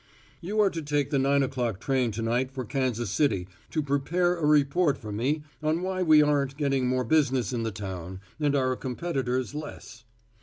"You are to take the nine o'clock train to night for Kansas City to prepare a report for me on why we aren't getting more business in the town and our competitors less.